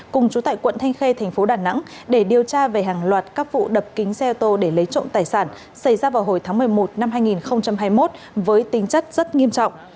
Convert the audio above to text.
cùng chú tại quận thanh khê thành phố đà nẵng để điều tra về hàng loạt các vụ đập kính xe ô tô để lấy trộm tài sản xảy ra vào hồi tháng một mươi một năm hai nghìn hai mươi một với tính chất rất nghiêm trọng